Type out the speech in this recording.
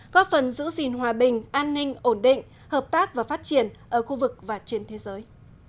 góp phần giữ gìn hòa bình an ninh ổn định hợp tác và phát triển ở khu vực và trên thế giới